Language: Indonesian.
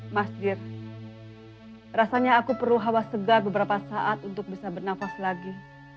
masjid rasanya aku perlu hawa segar beberapa saat untuk bisa bernafas lagi